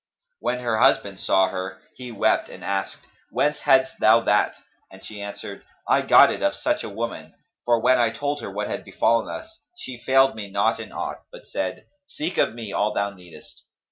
When her husband saw her, he wept and asked, "Whence hadst thou that?"; and she answered, "I got it of such a woman; for, when I told her what had befallen us, she failed me not in aught, but said, 'Seek of me all thou needest.'"